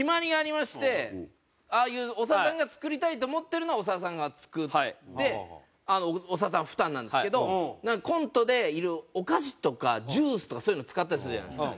ああいう長田さんが作りたいって思ってるのは長田さんが作って長田さん負担なんですけどコントでいるお菓子とかジュースとかそういうの使ったりするじゃないですか。